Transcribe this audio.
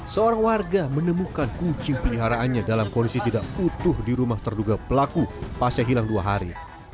seorang warga menemukan kucing peliharaannya dalam kondisi tidak utuh di rumah terduga pelaku pasca hilang dua hari